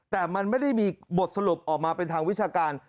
แต่มันไม่ได้มีบทสรุปออกมาเป็นทางวิชาการ